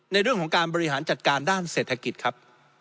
ในเรื่องของการบริหารจัดการด้านเศรษฐกิจครับ